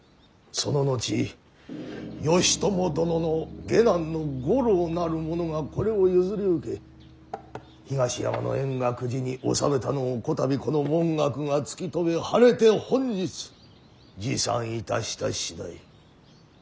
その後義朝殿の下男の五郎なる者がこれを譲り受け東山の円覚寺に納めたのをこたびこの文覚が突き止め晴れて本日持参いたした次第。